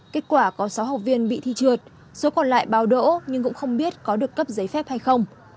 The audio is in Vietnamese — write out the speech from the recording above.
kết quả có sáu học viên bị thi trượt số còn lại bào đỗ nhưng cũng không biết có được cấp giấy phép hay không